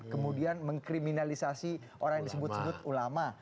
kemudian mengkriminalisasi orang yang disebut sebut ulama